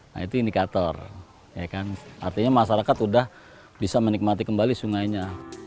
nah itu indikator artinya masyarakat sudah bisa menikmati kembali sungainya